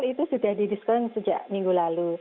itu sudah didiskon sejak minggu lalu